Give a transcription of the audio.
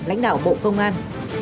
lãnh đạo bộ công an